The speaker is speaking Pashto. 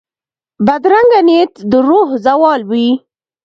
بدرنګه نیت د روح زوال وي